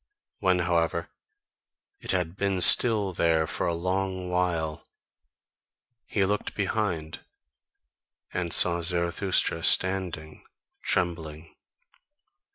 When, however, it had been still there for a long while, he looked behind, and saw Zarathustra standing trembling.